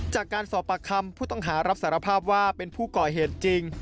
จากการสอบปากคำผู้ต้องหารับสารภาพว่าเป็นผู้ก่อเหตุจริง